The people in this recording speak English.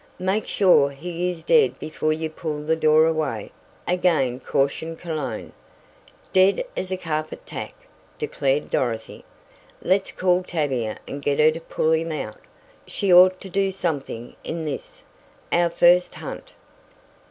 "Make sure he is dead before you pull the door away," again cautioned Cologne. "Dead as a carpet tack," declared Dorothy. "Let's call Tavia and get her to pull him out. She ought to do something in this, our first hunt."